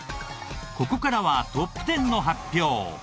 ここからはトップ１０の発表。